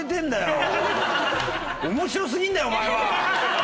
面白すぎんだよお前は！